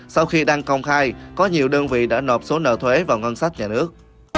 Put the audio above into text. sau khi đăng công khai có nhiều đơn vị đã nộp số nợ thuế vào ngân sách nhà nước